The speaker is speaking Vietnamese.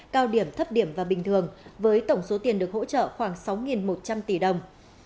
cao điểm thấp điểm và bình thường với tổng số tiền được hỗ trợ khoảng sáu một trăm linh tỷ đồng